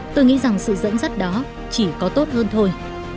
tôi nghĩ rằng sự dẫn dắt đó chỉ có tốt hơn thôi